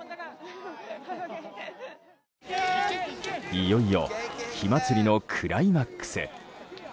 いよいよ火祭りのクライマックス。